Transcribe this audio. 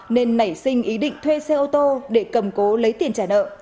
nên nảy sinh ý định thuê xe ô tô để cầm cố lấy tiền trả nợ